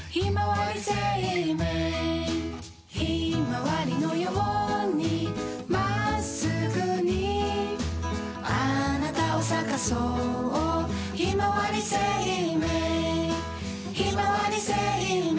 生命ひまわりのようにまっすぐにあなたを咲かそうひまわり生命ひまわり生命